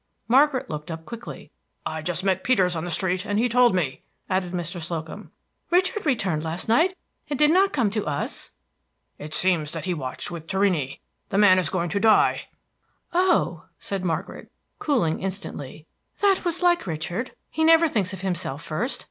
Margaret looked up quickly. "I just met Peters on the street, and he told me," added Mr. Slocum. "Richard returned last night, and did not come to us!" "It seems that he watched with Torrini, the man is going to die." "Oh," said Margaret, cooling instantly. "That was like Richard; he never thinks of himself first.